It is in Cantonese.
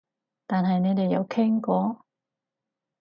但係你哋有傾過？